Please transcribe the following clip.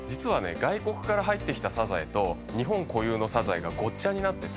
外国から入ってきたサザエと日本固有のサザエがごっちゃになってて。